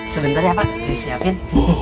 sebentar ya pak cuy siapin